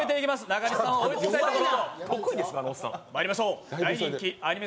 中西さん、追いつきたいところ。